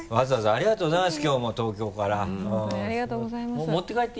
ありがとうございます。